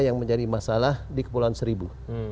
yang menjadi masalah di kepulauan seribu